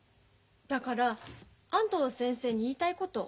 だから安藤先生に言いたいこと。